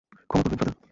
ক্ষমা করবেন, ফাদার।